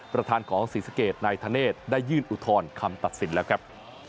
ประธานของศรีสะเกดนายธเนธได้ยื่นอุทธรณ์คำตัดสินแล้วครับ